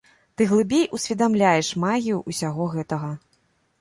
Ты глыбей усведамляеш магію ўсяго гэтага.